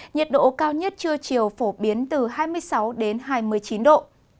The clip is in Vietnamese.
nhiệt độ cao nhất trưa chiều phổ biến từ hai mươi sáu hai mươi chín độ